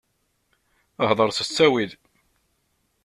Hḍeṛ s ttawil.